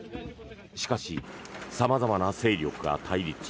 しかし、様々な勢力が対立し